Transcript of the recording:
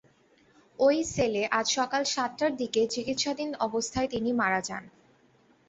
ওই সেলে আজ সকাল সাতটার দিকে চিকিৎসাধীন অবস্থায় তিনি মারা যান।